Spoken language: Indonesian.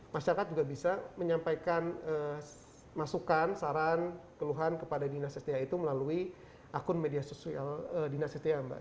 masyarakat juga bisa menyampaikan masukan saran keluhan kepada dinas sda itu melalui akun media sosial dinas sda mbak